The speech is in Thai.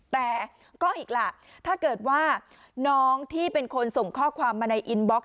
แต่ก็อีกล่ะถ้าเกิดว่าน้องที่เป็นคนส่งข้อความมาในอินบล็กซ